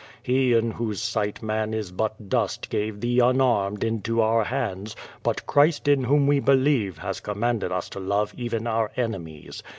He in whose sight man is but dust gave thee unarmed into our hands, but Christ in whom we believo has commanded us to love even our enemies.